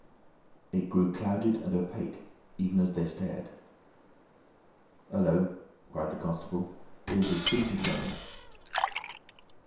It grew clouded and opaque even as they stared. "Hullo!" cried the constable. "Here's his feet a showing!"